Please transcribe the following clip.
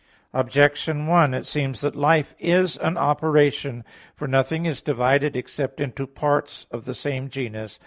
Objection 1: It seems that life is an operation. For nothing is divided except into parts of the same genus.